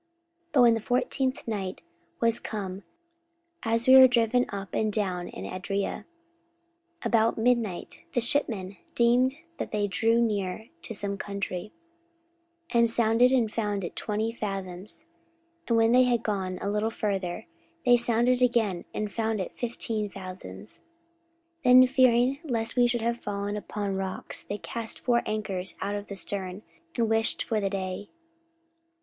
44:027:027 But when the fourteenth night was come, as we were driven up and down in Adria, about midnight the shipmen deemed that they drew near to some country; 44:027:028 And sounded, and found it twenty fathoms: and when they had gone a little further, they sounded again, and found it fifteen fathoms. 44:027:029 Then fearing lest we should have fallen upon rocks, they cast four anchors out of the stern, and wished for the day.